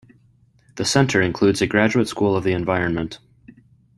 The Centre includes a Graduate School of the Environment.